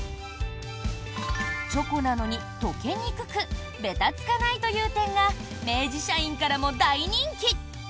チョコなのに溶けにくくべたつかないという点が明治社員からも大人気。